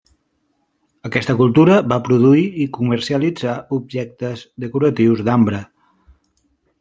Aquesta cultura va produir i comercialitzar objectes decoratius d'ambre.